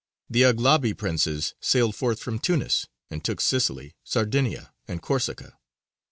The Aghlabī princes sailed forth from Tunis, and took Sicily, Sardinia, and Corsica.